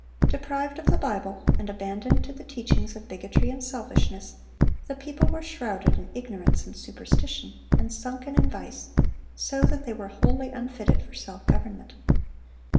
Deprived of the Bible, and abandoned to the teachings of bigotry and selfishness, the people were shrouded in ignorance and superstition, and sunken in vice, so that they were wholly unfitted for self government.